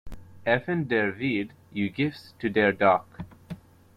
Effen der Veed, you gifs to der Doc.